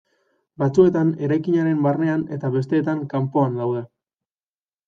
Batzuetan eraikinaren barnean eta besteetan kanpoan daude.